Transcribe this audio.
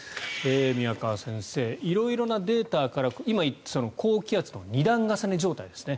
宮川先生、色々なデータから今言っていた高気圧の２段重ね状態ですね。